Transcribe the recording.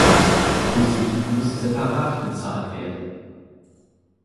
Für sie muss separat bezahlt werden.